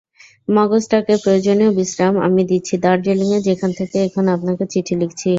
মগজটাকে প্রয়োজনীয় বিশ্রাম আমি দিচ্ছি, দার্জিলিঙে যেখান থেকে এখন আপনাকে চিঠি লিখছি।